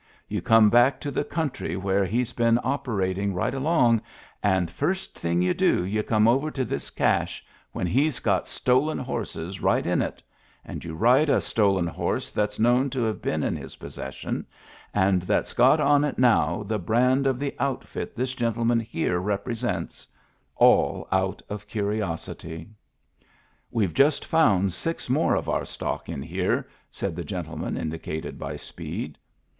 You come back to the country where he's been operating right along, and first thing you do you come over to this ccLche when he's got stolen horses right in it, and you ride a stolen horse that's known to have been in his possession, and that's got on it now the brand of the outfit this gentleman here represents — all out of curiosity." "We've just found six more of our stock in here," said the gentleman indicated by Speed.